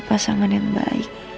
pasangan yang baik